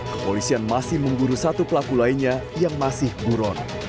kepolisian masih memburu satu pelaku lainnya yang masih buron